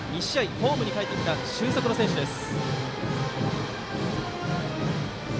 ホームにかえってきた俊足の選手です。